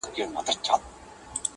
نه مېږیانو زده کړه ژبه د خزدکي؛